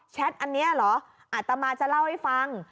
อ๋อแชทอันนี้เหรออัตมาจะเล่าให้ฟัง